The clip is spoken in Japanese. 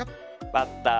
バッター。